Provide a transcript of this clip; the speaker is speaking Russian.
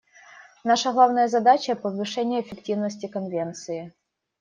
Наша главная задача — повышение эффективности Конвенции.